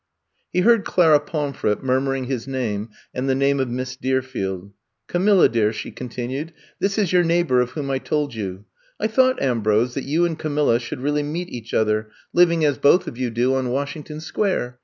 18 I'VE COME TO STAY 19 He heard Clara Pomf ret mnrmuring his name and the name of Miss Deerfield. *^ Camilla dear,'' she continued, this is your neighbor of whom I told you. I thought, Ambrose, that you and Camilla should really meet each other, living as both of you do on Washington Square.